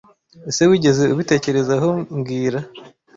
ese Wigeze ubitekerezaho mbwira